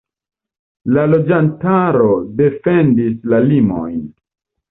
La loĝantaro defendis la limojn.